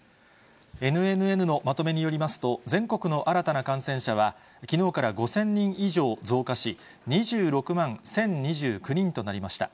ＮＮＮのまとめによりますと、全国の新たな感染者は、きのうから５０００人以上増加し、２６万１０２９人となりました。